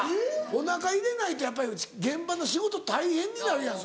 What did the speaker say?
おなか入れないとやっぱり現場の仕事大変になるやん。